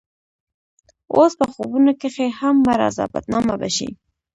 اوس په خوبونو کښې هم مه راځه بدنامه به شې